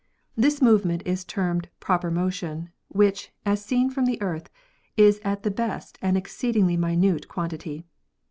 This movement is termed proper motion, which, as seen from the Earth, is at the best an exceed ingly minute quantity.